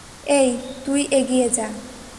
এই, তুই এগিয়ে যা।